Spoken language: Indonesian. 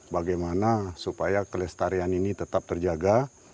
bagaimana supaya kelestarian ini tetap terjaga